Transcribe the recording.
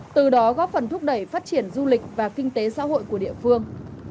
từ đó góp phần thúc đẩy phát triển du lịch và kinh tế xã hội của địa phương